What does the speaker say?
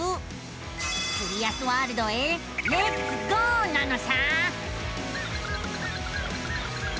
キュリアスワールドへレッツゴーなのさあ。